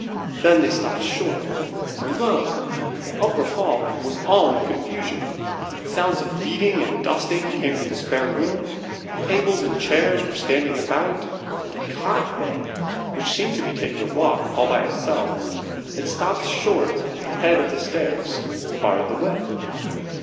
Then they stopped short, for lo! the upper hall was all in confusion. Sounds of beating and dusting came from the spare room. Tables and chairs were standing about; and a cot bed, which seemed to be taking a walk all by itself, had stopped short at the head of the stairs, and barred the way.